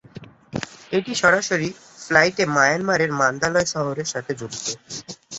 এটি সরাসরি ফ্লাইটে মায়ানমারের মান্দালয় শহরের সাথে যুক্ত।